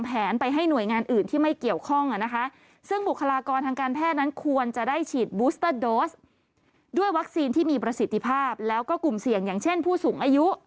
เพราะกลุ่มเสี่ยงอย่างเช่นผู้สูงอายุ